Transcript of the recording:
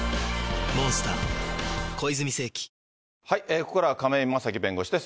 ここからは亀井正貴弁護士です。